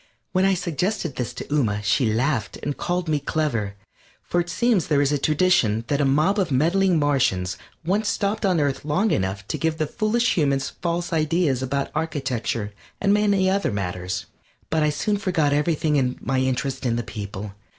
When I suggested this to Ooma she laughed and called me clever, for it seems there is a tradition that a mob of meddling Martians once stopped on Earth long enough to give the foolish humans false ideas about architecture and many other matters. But I soon forgot everything in my interest in the people.